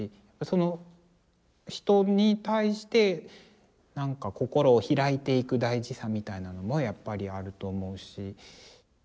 その「人」に対してなんか心をひらいていく大事さみたいなのもやっぱりあると思うし。